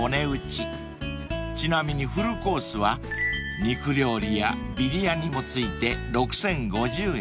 ［ちなみにフルコースは肉料理やビリヤニも付いて６，０５０円］